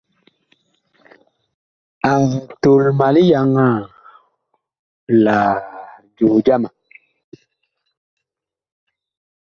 Ag tol ma liyaŋaa la joo jama.